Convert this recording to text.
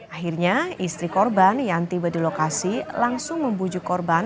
akhirnya istri korban yang tiba di lokasi langsung membujuk korban